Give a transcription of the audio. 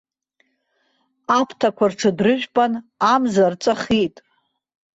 Аԥҭақәа рҽыдрыжәпан амза рҵәахит.